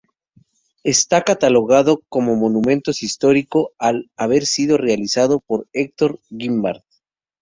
Está catalogado como Monumentos Histórico al haber sido realizado por Hector Guimard.